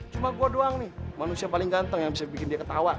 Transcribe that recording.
cuma gue doang nih manusia paling ganteng yang bisa bikin dia ketawa